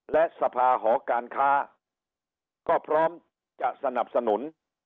และสภาหอการค้าก็พร้อมจะสนับสนุน